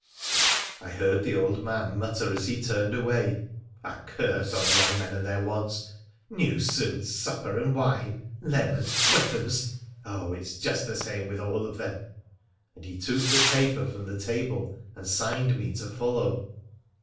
I heard the old man mutter as he turned away —' A curse on young men and their wants — new suits, supper and wine, leman, weapons — oh ! it's just the same with all of them,' and he took the taper from the table and signed to me to follow.